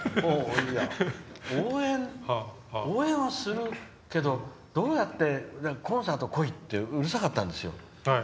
応援はするけど、どうやってコンサート来いってうるさかったんですよ